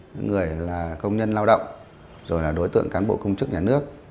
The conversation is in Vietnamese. những người là công nhân lao động rồi là đối tượng cán bộ công chức nhà nước